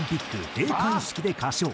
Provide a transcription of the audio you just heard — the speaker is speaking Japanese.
閉会式で歌唱。